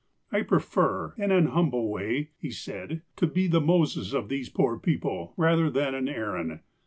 "I prefer, in an humble way," he said, "to be the Moses of these x^oor people, rather than an Aaron.